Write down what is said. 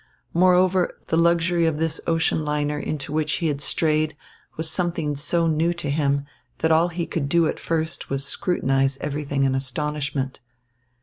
Moreover, the luxury of this ocean liner into which he had strayed was something so new to him, that all he could do at first was scrutinize everything in astonishment.